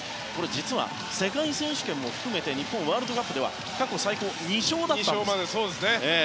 実は、世界選手権も含めて日本はワールドカップでは過去最高２勝だったんです。